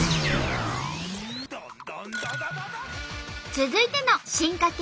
続いての進化形